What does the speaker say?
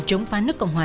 chống phá nước cộng hòa